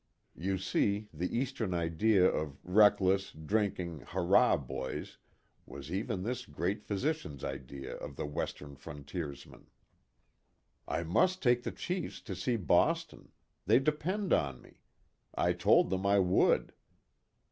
(You see the Eastern idea of reckless, drinking, " hurrah boys," was even this great physician's, idea of the Western frontiersman.) " I must take the chiefs to see Boston. They depend on me. I told them I would.